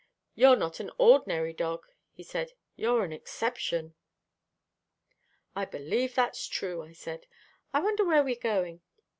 "You're not an ordinary dog," he said. "You're an exception." "I believe that's true," I said. "I wonder where we're going."